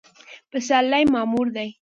پسرلی معمور دی